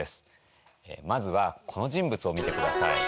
まずはこの人物を見てください。